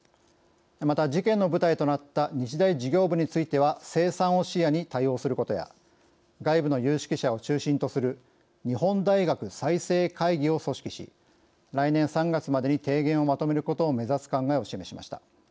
また、事件の舞台となった日大事業部については清算を視野に対応することや外部の有識者を中心とする日本大学再生会議を組織し来年３月までに提言をまとめることを目指す考えを示しました。